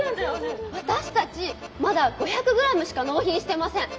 私たちまだ５００ｇしか納品してません。